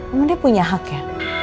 memang dia punya hak ya